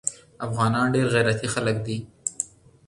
افغانان ډیر غیرتي خلک دي